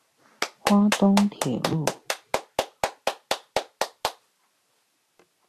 花東鐵路